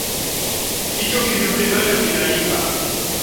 Hicho kidude bado kinaimba?